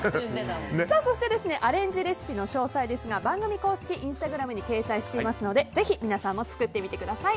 そしてアレンジレシピの詳細ですが番組公式インスタグラムに掲載していますのでぜひ皆さんも作ってみてください。